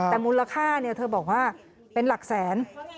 แต่มูลค่าเธอบอกว่าเป็นหลักแสน